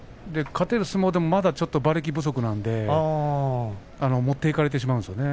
勝てる相撲でもまだちょっと馬力不足なんで持っていかれてしまうんですね。